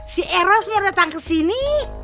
si eros mau datang kesini